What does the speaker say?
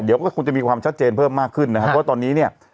เดี๋ยวก็คงจะมีความชัดเจนเพิ่มมากขึ้นนะครับเพราะว่าตอนนี้เนี่ย